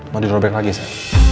mau dirobek lagi sa